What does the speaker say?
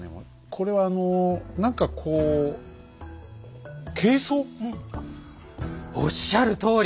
これはあの何かこうおっしゃるとおり！